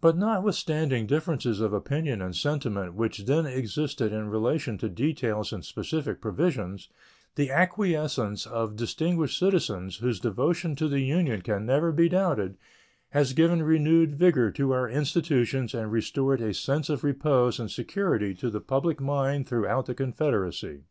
But notwithstanding differences of opinion and sentiment which then existed in relation to details and specific provisions, the acquiescence of distinguished citizens, whose devotion to the Union can never be doubted, has given renewed vigor to our institutions and restored a sense of repose and security to the public mind throughout the Confederacy.